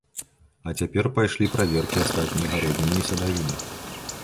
А цяпер пайшлі праверкі астатняй гародніны і садавіны.